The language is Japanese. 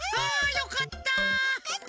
よかったね。